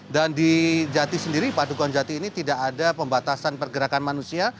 dan di jati sendiri padukuan jati ini tidak ada pembatasan pergerakan manusia